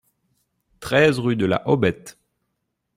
treize rue de la Hobette